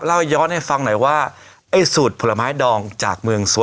ย้อนให้ฟังหน่อยว่าไอ้สูตรผลไม้ดองจากเมืองสวน